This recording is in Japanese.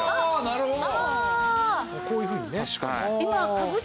なるほど。